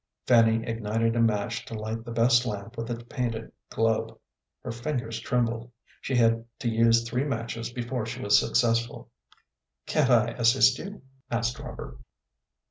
Fanny ignited a match to light the best lamp with its painted globe. Her fingers trembled. She had to use three matches before she was successful. "Can't I assist you?" asked Robert.